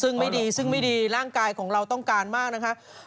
ซึ่งไม่ดีซึ่งไม่ดีร่างกายของเราต้องการมากนะคะ